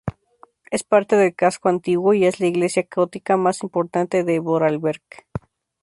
Es parte del casco antiguo y es la iglesia gótica más importante de Vorarlberg.